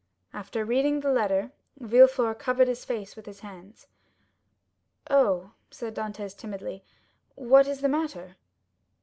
After reading the letter, Villefort covered his face with his hands. "Oh," said Dantès timidly, "what is the matter?"